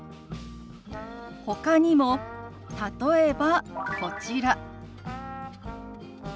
ほかにも例えばこちら。